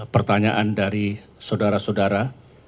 pertanyaan dari saudara saudara